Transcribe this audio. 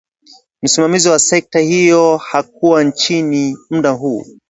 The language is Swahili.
msimamizi wa sekta hiyo hakuwa nchini mda huo